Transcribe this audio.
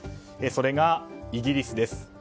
それが、イギリスです。